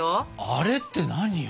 あれって何よ？